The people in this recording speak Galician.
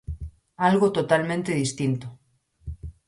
Algo totalmente distinto.